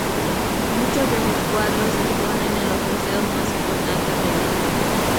Muchos de sus cuadros se exponen en los museos más importantes del mundo.